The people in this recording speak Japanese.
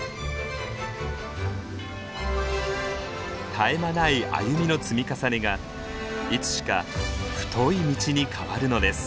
絶え間ない歩みの積み重ねがいつしか太い道に変わるのです。